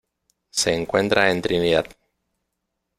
Se encuentra en Trinidad.